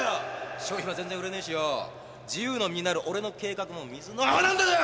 賞品は全然売れねえしよ自由の身になる俺の計画も水の泡なんだよ！